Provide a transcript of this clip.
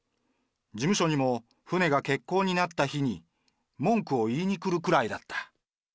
事務所にも、船が欠航になった日に文句を言いに来るくらいだった。